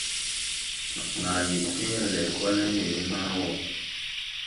Nàa yed we fẽẽre lɛkɔl ne weere nàa wɔ.